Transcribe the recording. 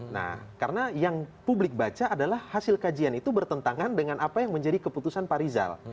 nah karena yang publik baca adalah hasil kajian itu bertentangan dengan apa yang menjadi keputusan pak rizal